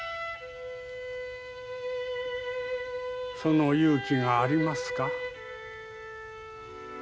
その勇気がありますか？